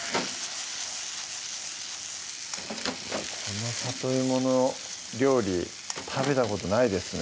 こんな里芋の料理食べたことないですね